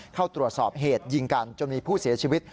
เข้าตรวจสอบเหตุยิงกันจนมีผู้เสียชีวิต